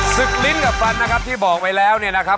ลิ้นกับฟันนะครับที่บอกไปแล้วเนี่ยนะครับ